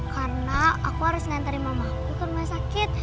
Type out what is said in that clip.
karena aku harus nganterin mamah aku karena sakit